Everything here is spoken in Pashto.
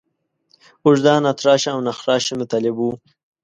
اوږده، ناتراشه او ناخراشه مطالب وو.